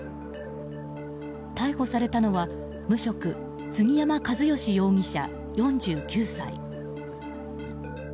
逮捕されたのは、無職杉山和義容疑者、４９歳。